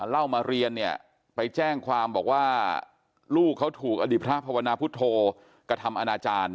เล่ามาเรียนเนี่ยไปแจ้งความบอกว่าลูกเขาถูกอดีตพระภาวนาพุทธโธกระทำอนาจารย์